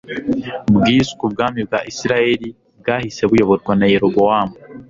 bwiswe ubwami bwa isirayeli bwahise buyoborwa na yerobowamu